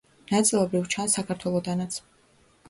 ნაწილობრივ ჩანს საქართველოდანაც.